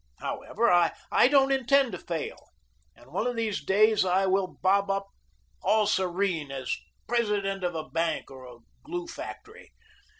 However, I don't intend to fail, and one of these days I will bob up all serene as president of a bank or a glue factory.